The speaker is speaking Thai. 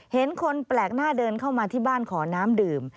เห็นคนแปลกหน้าเดินเข้ามาที่บ้านขอน้ำดื่ม